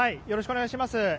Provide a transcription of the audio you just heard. よろしくお願いします。